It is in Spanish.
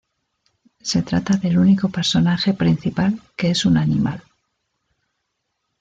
Se trata del único personaje principal que es un animal.